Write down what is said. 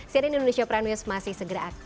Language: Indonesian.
serian indonesia prime news masih akan segera kembali